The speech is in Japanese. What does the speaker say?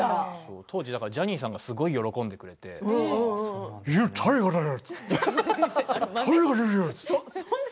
当時ジャニーさんがすごい喜んでくれてユー大河だよ！